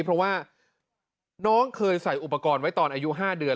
เพราะว่าน้องเคยใส่อุปกรณ์ไว้ตอนอายุ๕เดือน